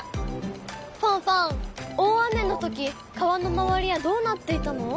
ファンファン大雨のとき川の周りはどうなっていたの？